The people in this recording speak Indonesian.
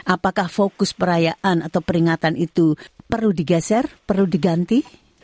apakah fokus perayaan atau peringatan itu perlu digeser perlu diganti